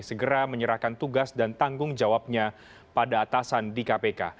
segera menyerahkan tugas dan tanggung jawabnya pada atasan di kpk